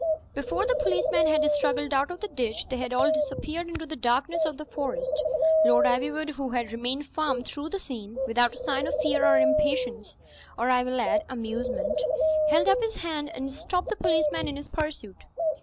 Before the policeman had struggled out of the ditch, they had all disappeared into the darkness of the forest. Lord Ivywood who had remained firm through the scene, without a sign of fear or impatience (or, I will add, amusement), held up his hand and stopped the policeman in his pursuit.